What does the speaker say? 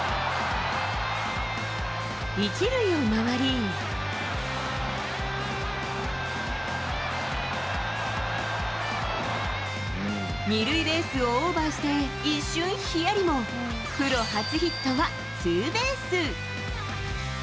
１塁を回り、２塁ベースをオーバーして一瞬ひやりも、プロ初ヒットはツーベース。